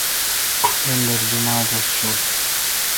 یاندر جمعہ دوس چویں۔